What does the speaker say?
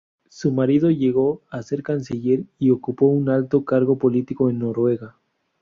Su marido llegó a ser canciller y ocupó un alto cargo político en Noruega.